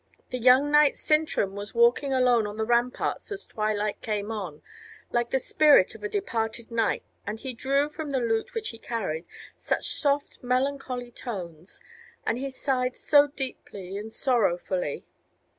The young knight Sintram was walking alone on the ramparts as twilight came on, like the spirit of a departed knight, and he drew from the lute which he carried such soft, melancholy tones, and he sighed so deeply and sorrowfully...."